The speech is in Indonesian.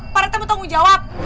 pak rt mau tanggung jawab